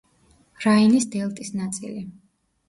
რაინის დელტის ნაწილი.